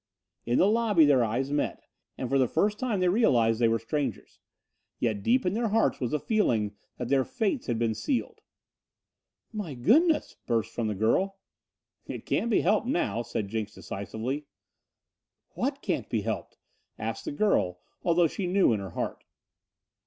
In the lobby their eyes met, and for the first time they realized they were strangers. Yet deep in their hearts was a feeling that their fates had been sealed. "My goodness!" burst from the girl. "It can't be helped now," said Jenks decisively. "What can't be helped?" asked the girl, although she knew in her heart.